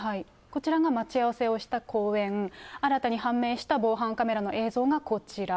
こちらが待ち合わせをした公園、新たに判明した防犯カメラの映像がこちら。